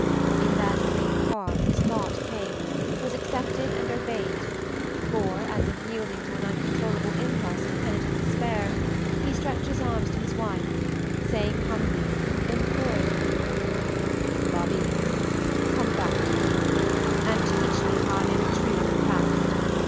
In that brief pause this thought came, was accepted and obeyed, for, as if yielding to an uncontrollable impulse of penitent despair, he stretched his arms to his wife, saying humbly, imploringly, "Babie, come back to me, and teach me how I may retrieve the past.